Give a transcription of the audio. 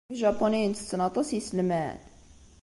Ijapuniyen ttetten aṭas n yiselman?